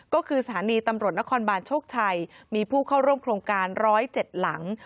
ก็คือสถานีตำรวจนครบานโชคชัยมีผู้เข้าร่วมโครงการ๑๐๗หลัง